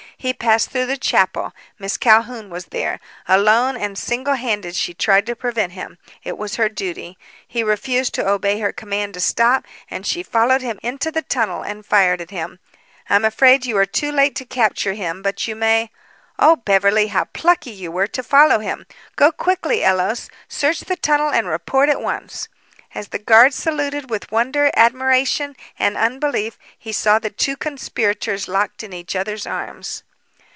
"He passed through the chapel. Miss Calhoun was there. Alone, and single handed, she tried to prevent him. It was her duty. He refused to obey her command to stop and she followed him into the tunnel and fired at him. I'm afraid you are too late to capture him, but you may , Oh, Beverly, how plucky you were to follow him! Go quickly, Ellos! Search the tunnel and report at once." As the guard saluted, with wonder, admiration and unbelief, he saw the two conspirators locked in each other's arms.